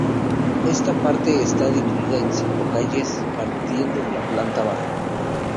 Esta parte está dividida en cinco calles, partiendo de la planta baja.